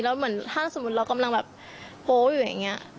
แล้วเหมือนถ้าสมมุติเรากำลังแบบโพลอยู่อย่างนี้